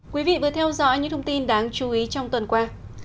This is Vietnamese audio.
quý vị vừa theo dõi những thông tin đáng chú ý trong tuần qua